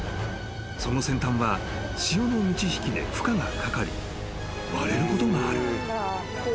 ［その先端は潮の満ち引きで負荷がかかり割れることがある］